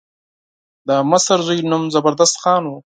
د مشر زوی نوم زبردست خان و.